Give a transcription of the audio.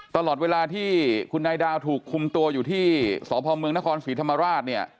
ตลอดเวลาที่คุณนายดาวถูกคุมตัวอยู่ที่สพเมืองนครศรีธรรมราชเนี่ย